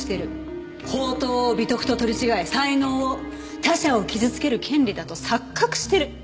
放蕩を美徳と取り違え才能を他者を傷つける権利だと錯覚してる。